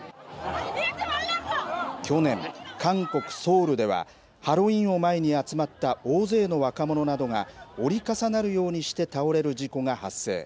去年、韓国・ソウルではハロウィーンを前に集まった大勢の若者などが折り重なるようにして倒れる事故が発生。